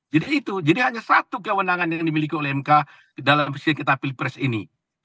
jadi itu jadi hanya satu kewenangan yang dimiliki oleh mk dalam perisilian kita pilpres ini